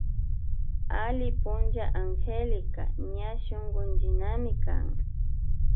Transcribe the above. Alli puncha Angélica ña shunkullinamikan